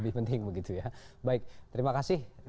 lebih penting begitu ya baik terima kasih